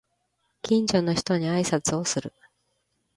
近所の人に挨拶をする